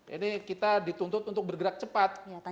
ini kita dituntut untuk bergerak cepat